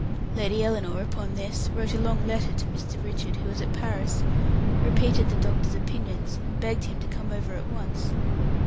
Lady Ellinor, upon this, wrote a long letter to Mr. Richard, who was at Paris, repeated the doctor's opinions, and begged him to come over at once.